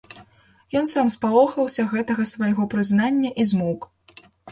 Ён сам спалохаўся гэтага свайго прызнання і змоўк.